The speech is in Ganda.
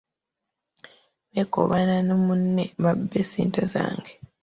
Beekobaana ne munne babbe ssente zange.